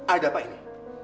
ada apa ini